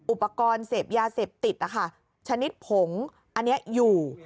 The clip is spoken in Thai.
อุปกรณ์เสพยาเสพติดนะคะชนิดผงอันนี้อยู่